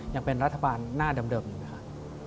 ยังเป็นรัฐบาลหน้าเดิมอยู่นะครับ